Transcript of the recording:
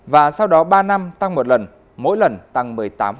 và sau đó ba năm tăng một lần mỗi lần tăng một mươi tám